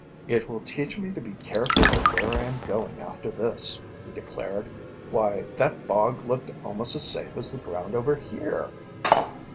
"It will teach me to be careful of where I am going after this," he declared. "Why, that bog looked almost as safe as the ground over here!"